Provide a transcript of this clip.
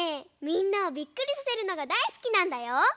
みんなをびっくりさせるのがだいすきなんだよ。